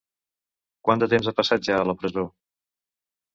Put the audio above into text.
Quant de temps han passat ja a la presó?